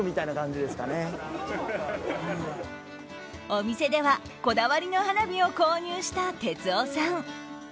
お店では、こだわりの花火を購入した哲夫さん。